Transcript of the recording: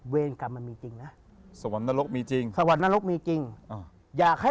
เวรกรรมมันมีจริงนะ